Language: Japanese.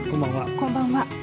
こんばんは。